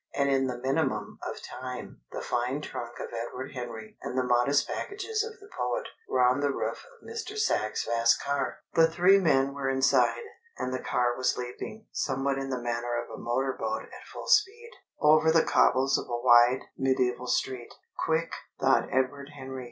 And in the minimum of time the fine trunk of Edward Henry and the modest packages of the poet were on the roof of Mr. Sachs's vast car, the three men were inside, and the car was leaping, somewhat in the manner of a motor boat at full speed, over the cobbles of a wide, medieval street. "Quick!" thought Edward Henry.